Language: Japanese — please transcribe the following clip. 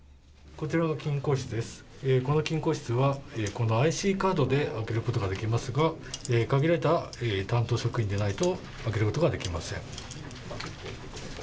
この金庫室は、このＩＣカードで開けることができますが限られた担当職員でないと開けることができません。